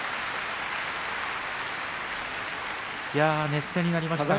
熱戦になりました。